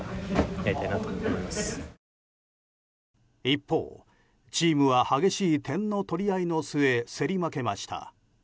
一方、チームは激しい点の取り合いの末競り負けました。